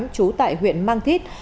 chú tại huyện mang thiết